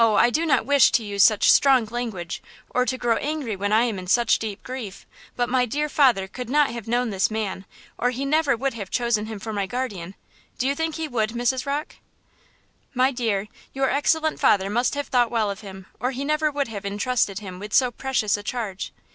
I do not wish to use such strong language, or to grow angry when I am in such deep grief; but my dear father could not have known this man, or he never would have chosen him for my guardian; do you think he would, Mrs. Rocke?" "My dear, your excellent father must have thought well of him, or he never would have intrusted him with so precious a charge.